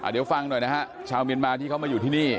เดี๋ยวฟังหน่อยนะฮะชาวเมียนมาที่เขามาอยู่ที่นี่